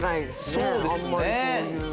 そうですね。